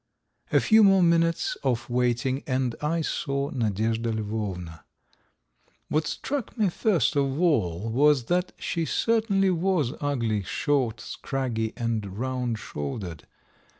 A few more minutes of waiting and I saw Nadyezhda Lvovna. What struck me first of all was that she certainly was ugly, short, scraggy, and round shouldered.